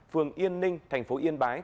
phường yên ninh tp yên bái